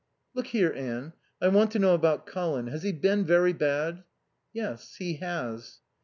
"Look here, Anne, I want to know about Colin. Has he been very bad?" "Yes, he has."